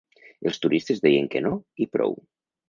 Els turistes deien que no i prou.